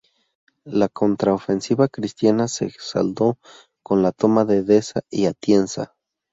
La contraofensiva cristiana se saldó con la toma de Deza y Atienza.